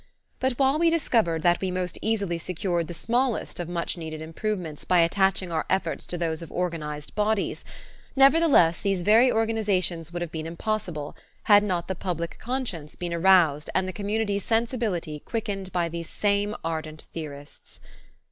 But while we discovered that we most easily secured the smallest of much needed improvements by attaching our efforts to those of organized bodies, nevertheless these very organizations would have been impossible, had not the public conscience been aroused and the community sensibility quickened by these same ardent theorists.